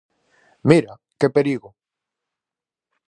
Mira, que perigo!